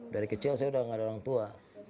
dari kecil saya udah gak ada orang tua